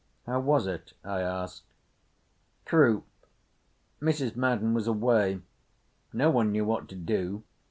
"How was it?" I asked. "Croup. Mrs. Madden was away. No one knew what to do.